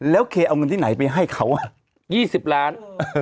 แล้วเคเอาเงินที่ไหนไปให้เขา๒๐ล้าน